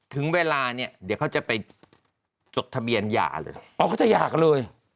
ถึงเวลาเนี่ยเดี๋ยวเขาจะไปจดทะเบียนหย่าเลยอ๋อเขาจะหย่ากันเลย